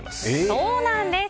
そうなんです。